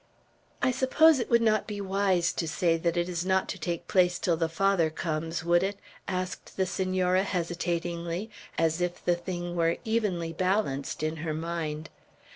"I suppose it would not be wise to say that it is not to take place till the Father comes, would it?" asked the Senora, hesitatingly, as if the thing were evenly balanced in her mind.